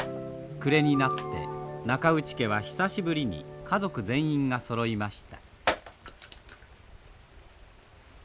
暮れになって中内家は久しぶりに家族全員がそろいました。